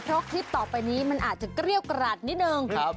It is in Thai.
เพราะคลิปต่อไปนี้มันอาจจะเกรี้ยวกราดนิดนึง